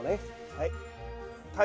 はい。